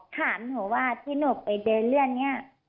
ถามหนูว่าที่หนูไปเดินเรื่องนี้